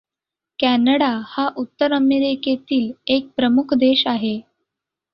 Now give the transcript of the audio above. Canada हा उत्तर अमेरिकेतील एक प्रमुख देश आहे.